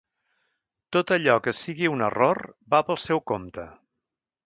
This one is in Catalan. Tot allò que sigui un error, va pel seu compte.